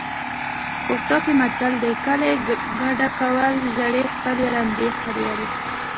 پښتو کې متل دی. کلی کډه کوله زړې خپلې رمبې خریلې.